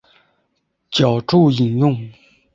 脚注引用